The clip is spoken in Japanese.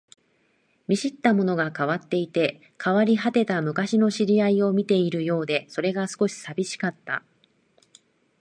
見知ったものが変わっていて、変わり果てた昔の知り合いを見ているようで、それが少し寂しかった